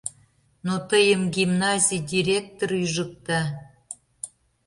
— Но тыйым гимназий директор ӱжыкта